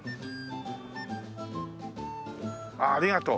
ああ「ありがとう」。